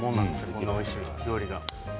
こんなおいしい料理が。